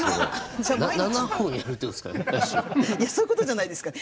いやそういうことじゃないですか。